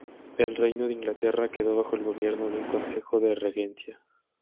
El reino de Inglaterra quedó bajo el gobierno de un consejo de regencia.